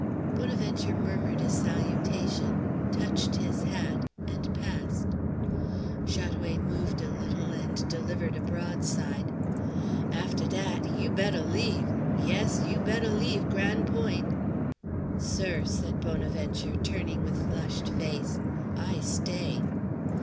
Bonaventure murmured a salutation, touched his hat, and passed. Chat oué moved a little, and delivered a broadside: "Afteh dat, you betteh leave! Yes, you betteh leave Gran' Point'!" "Sir," said Bonaventure, turning with flushed face, "I stay."